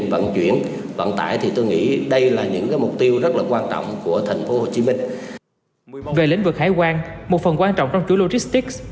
về lĩnh vực hải quan một phần quan trọng trong chuỗi logistics